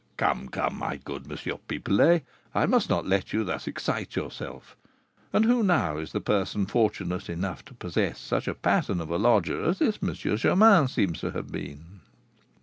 "Come, come, my good M. Pipelet, I must not let you thus excite yourself; and who, now, is the person fortunate enough to possess such a pattern of a lodger as this M. Germain seems to have been?"